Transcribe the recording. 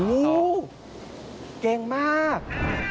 อู๊วเก่งมาก